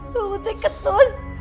kamu tidak bisa ketus